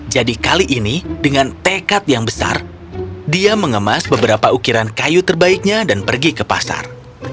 jadi kali ini dengan tekad yang besar dia mengemas beberapa ukiran kayu terbaiknya dan pergi ke pasar